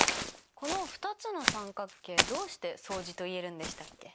この２つの三角形どうして相似と言えるんでしたっけ？